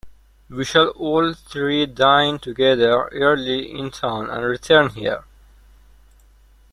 We shall all three dine together early in town, and return here.